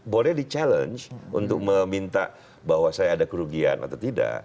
boleh di challenge untuk meminta bahwa saya ada kerugian atau tidak